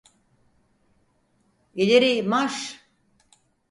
İleri marş!